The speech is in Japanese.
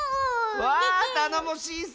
わあたのもしいッス！